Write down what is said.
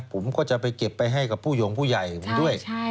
ผมก็จะไปเก็บไปให้กับผู้หยงผู้ใหญ่ผมด้วย